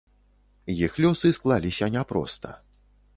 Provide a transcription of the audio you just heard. Іх лёсы склаліся няпроста.